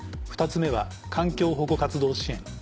２つ目は環境保護活動支援。